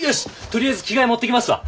とりあえず着替え持ってきますわ。